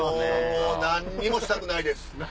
何にもしたくないです。